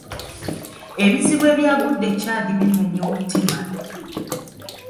Ebizibu ebyagudde e Chad bimenya omutima.